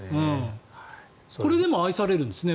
これでも愛されるんですね